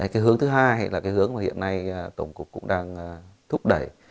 cái hướng thứ hai là cái hướng mà hiện nay tổng cục cũng đang thúc đẩy